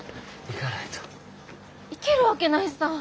行けるわけないさ。